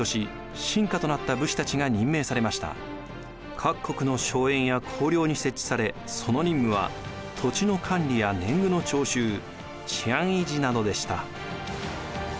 各国の荘園や公領に設置されその任務は土地の管理や年貢の徴収治安維持などでした。